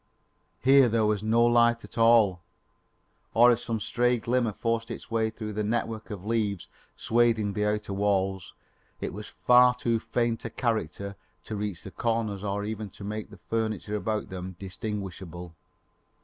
Here there was no light at all; or if some stray glimmer forced its way through the network of leaves swathing the outer walls, it was of too faint a character to reach the corners or even to make the furniture about them distinguishable.